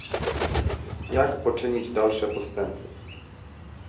Jak poczynić dalsze postępy?